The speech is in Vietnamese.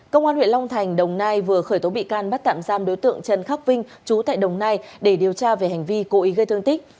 công an huyện long thành đồng nai vừa khởi tố bị can bắt tạm giam đối tượng trần khắc vinh chú tại đồng nai để điều tra về hành vi cố ý gây thương tích